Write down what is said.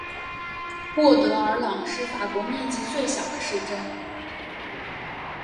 沃德尔朗是法国面积最小的市镇。